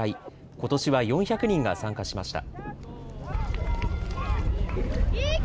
ことしは４００人が参加しました。